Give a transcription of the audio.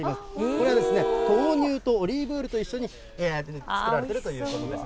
これは豆乳とオリーブオイルと一緒に作られているということです。